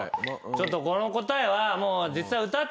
ちょっとこの答えは。